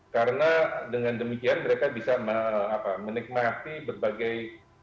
karena dengan demikian mereka bisa menikmati berbagai